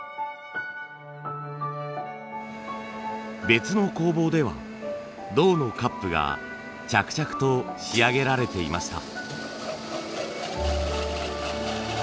別の工房では銅のカップが着々と仕上げられていました。